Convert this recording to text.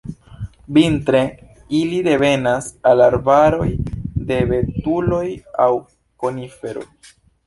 Vintre ili revenas al arbaroj de betuloj aŭ koniferoj.